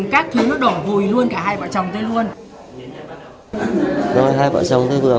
các thứ nó đổ vùi luôn cả hai vợ chồng tôi luôn